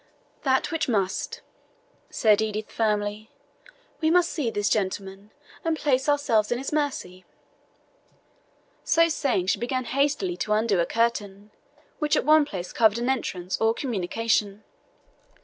"That which must," said Edith firmly. "We must see this gentleman and place ourselves in his mercy." So saying, she began hastily to undo a curtain, which at one place covered an entrance or communication.